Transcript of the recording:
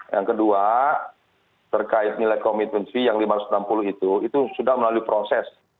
yang kedua terkait nilai komitmen fee yang lima ratus enam puluh itu itu sudah melalui proses